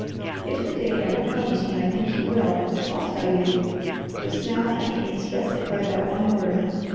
If the day ever comes when I think you will, I'll tell you. Just now I can express it by that one word.